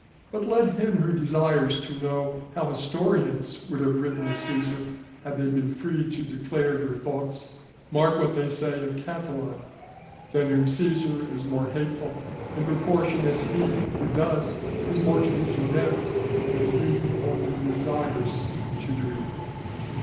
But let him who desires to know how historians would have written of Cæsar had they been free to declare their thoughts mark what they say of Catiline, than whom Cæsar is more hateful, in proportion as he who does is more to be condemned than he who only desires to do evil.